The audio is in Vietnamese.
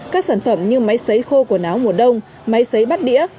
các sản phẩm như máy sấy khô quần áo mùa đông máy sấy bắt đĩa